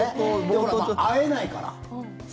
で、会えないから。